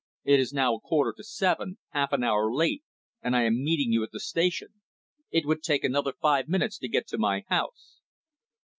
It is now a quarter to seven, half an hour late, and I am meeting you at the station. It would take another five minutes to get to my house."